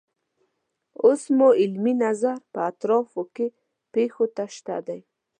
اوس مو علمي نظر په اطرافو کې پیښو ته شته دی.